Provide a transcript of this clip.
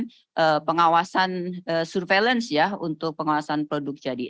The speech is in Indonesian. kita harus melakukan pengawasan surveillance ya untuk pengawasan produk jadi